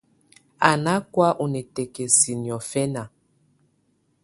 Á nà kɔ̀́́á ù nikǝ́kǝ́si niɔ̀fɛna.